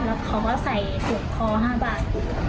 แล้วเขาก็ใส่เจ็บคอ๕บาท